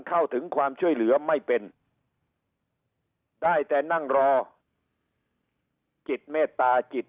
เข้าถึงความช่วยเหลือไม่เป็นได้แต่นั่งรอจิตเมตตาจิต